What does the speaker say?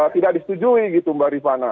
tidak disetujui gitu mbak rifana